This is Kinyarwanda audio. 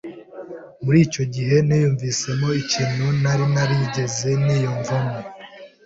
muri icyo gihe, niyumvisemo ikintu ntari narigeze niyumvamo